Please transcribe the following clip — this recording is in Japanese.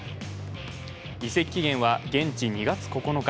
移籍期限は現地２月９日。